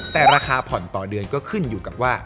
แต่ราคาผ่อนต่อเดือนก็ขึ้นอยู่กับว่า